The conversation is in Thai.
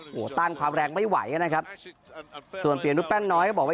โอ้โหต้านความแรงไม่ไหวนะครับส่วนเปลี่ยนนุษยแป้นน้อยก็บอกว่า